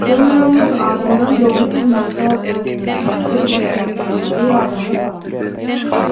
Töweregiňiz adamdan doly hem bolsa özüňizi ýalňyz duýan wagtlaryňyzy ýadyňyza salyň.